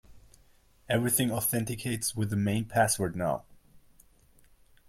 Everything authenticates with the main password now.